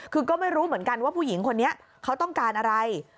คือก็ไม่รู้เหมือนกันว่าผู้หญิงคนนี้เขาต้องการอะไร